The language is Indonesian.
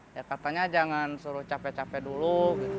ya katanya jangan suruh capek capek dulu